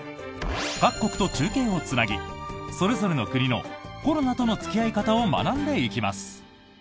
各国と中継をつなぎそれぞれの国のコロナとの付き合い方を学んでいきます。